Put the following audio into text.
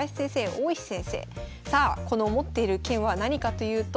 さあこの持っている券は何かというと。